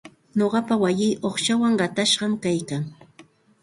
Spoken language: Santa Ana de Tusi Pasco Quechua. Nuqapa wayii uqshawan qatashqam kaykan.